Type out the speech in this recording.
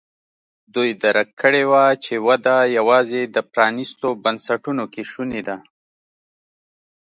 دوی درک کړې وه چې وده یوازې د پرانیستو بنسټونو کې شونې ده.